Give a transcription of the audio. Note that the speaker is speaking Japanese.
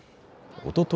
おととい